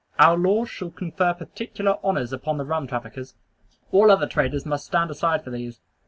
Our laws shall confer particular honors upon the rum traffickers. All other traders must stand aside for these.